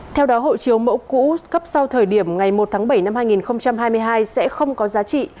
theo đó hộ chiếu mẫu cũ cấp sau thời điểm ngày một tháng bảy năm hai nghìn hai mươi hai sẽ không có giá trị